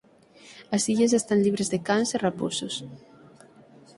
As illas están libres de cans e raposos.